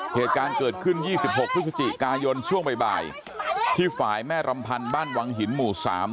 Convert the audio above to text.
เหตุการณ์เกิดขึ้น๒๖พฤศจิกายนช่วงบ่ายที่ฝ่ายแม่รำพันธ์บ้านวังหินหมู่๓